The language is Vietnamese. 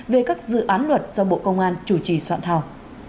về các dự án luật do bộ công an chủ trì soạn thảo